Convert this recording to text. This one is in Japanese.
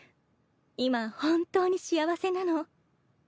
今本当に幸せなの。